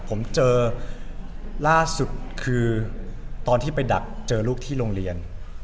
ผมเจอล่าสุดคือตอนที่ไปดักเจอลูกที่โรงเรียน